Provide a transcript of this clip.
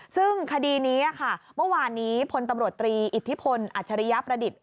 ซึ่งคดีนี้ค่ะเมื่อวานนี้พลตำรวจตรีอิทธิพลอัจฉริยประดิษฐ์